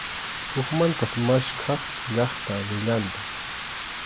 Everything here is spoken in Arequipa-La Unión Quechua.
Hukmantas maskhaq llaqta rillantaq.